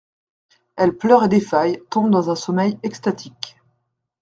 Elles pleurent et défaillent, tombent dans un sommeil extatique.